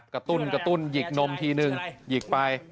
กระตุ้นกระตุ้นหยิกนมทีนึงหยิกไป